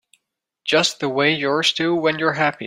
Just the way yours do when you're happy.